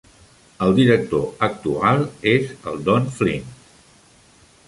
El director actual és el Don Flynt.